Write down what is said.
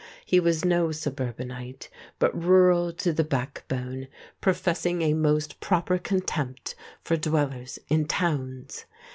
He was no suburbanite, but rural to the backbone, professing a most proper contempt for dwellers in towns.